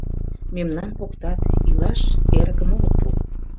Мемнам поктат, илаш эрыкым огыт пу.